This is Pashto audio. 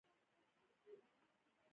لعل د افغان کورنیو د دودونو مهم عنصر دی.